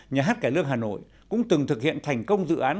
nhà hát cải lương hà nội cũng từng thực hiện thành công dự án